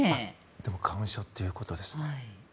でも花粉症ということですね。